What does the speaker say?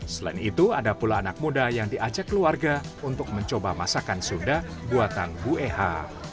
selain itu ada pula anak muda yang diajak keluarga untuk mencoba masakan sunda buatan bu eha